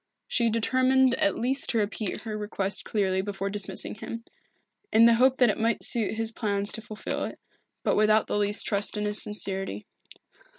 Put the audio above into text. She determined at least to repeat her request clearly before dismissing him, in the hope that it might suit his plans to fulfil it, but without the least trust in his sincerity.